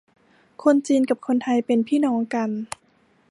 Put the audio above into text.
คนจีนกับคนไทยเป็นพี่น้องกัน